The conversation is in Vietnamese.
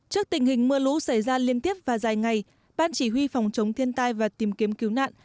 trước tình hình mưa lũ xảy ra liên tiếp và dài ngày ban chỉ huy phòng chống thiên tai và tìm kiếm cứu nạn